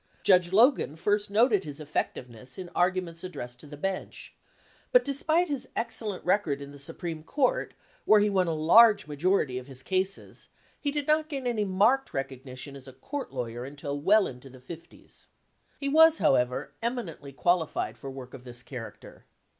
Judge Logan first noted his ef fectiveness in arguments addressed to the bench; but despite his excellent record in the Supreme Court, where he won a large majority of his cases, he did not gain any marked recognition as a court lawyer until well into the fifties. He was, however, eminently qualified for work of this character.